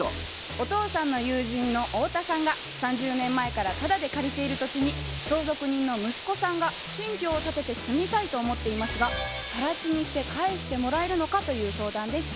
お父さんの友人の太田さんが３０年前からタダで借りている土地に相続人の息子さんが新居を建てて住みたいと思っていますが「更地にして返してもらえるのか？」という相談です。